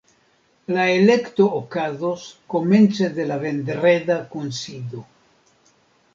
La elekto okazos komence de la vendreda kunsido.